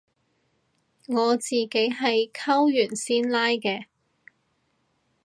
我自己係扣完先拉嘅